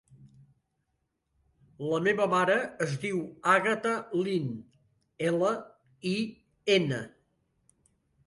La meva mare es diu Àgata Lin: ela, i, ena.